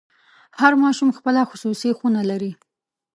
هر ماشوم خپله خصوصي خونه لري.